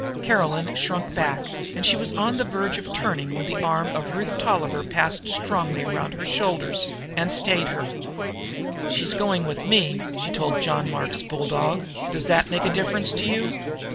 Caroline had shrunk back, and she was on the verge of turning when the arm of Ruth was passed strongly around her shoulders and stayed her. "She's going with me," she told John Mark's bulldog. "Does that make a difference to you?"